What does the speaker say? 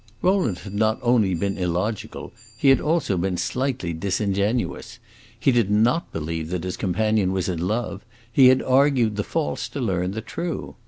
Rowland had not only been illogical, he had also been slightly disingenuous. He did not believe that his companion was in love; he had argued the false to learn the true.